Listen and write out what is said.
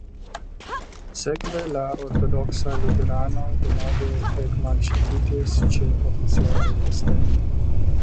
Sekve la ortodoksaj luteranoj denove ekmalŝatitis ĉe oficialaj postenoj.